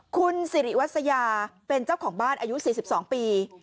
คุณสิริวัสยาเป็นเจ้าของบ้านอายุ๔๒ปี